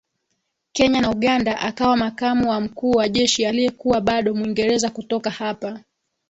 Kenya na Uganda akawa makamu wa mkuu wa Jeshi aliyekuwa bado Mwingereza Kutoka hapa